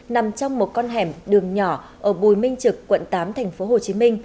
nằm trong một con hẻm đường nhỏ ở bùi minh trực quận tám tp hcm